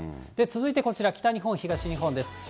続いてこちら、北日本、東日本です。